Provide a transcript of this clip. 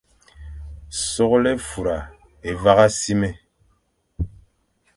Soghle é fura é vagha simé,